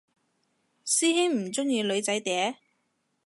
師兄唔鍾意女仔嗲？